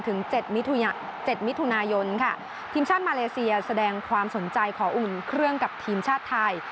๗มิถุนายนค่ะทีมชาติมาเลเซียแสดงความสนใจขออุ่นเครื่องกับทีมชาติไทย